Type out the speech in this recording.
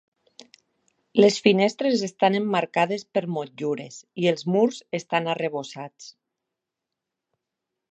Les finestres estan emmarcades per motllures i els murs estan arrebossats.